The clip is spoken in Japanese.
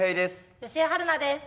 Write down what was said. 吉江晴菜です。